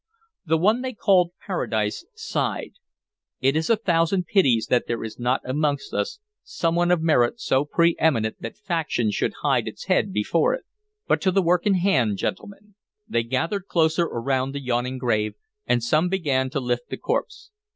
The one they called Paradise sighed. "It is a thousand pities that there is not amongst us some one of merit so preeminent that faction should hide its head before it. But to the work in hand, gentlemen." They gathered closer around the yawning grave, and some began to lift the corpse.